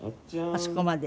あそこまで？